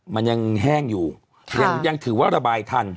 มันยังแห้งอยู่ยังถือว่าระบายทัน